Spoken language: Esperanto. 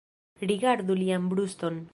Rigardu lian bruston.